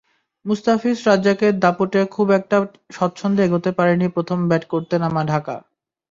মুস্তাফিজ-রাজ্জাকের দাপটে খুব একটা স্বচ্ছন্দে এগোতে পারেনি প্রথম ব্যাট করতে নামা ঢাকা।